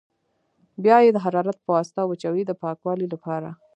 بیا یې د حرارت په واسطه وچوي د پاکوالي لپاره.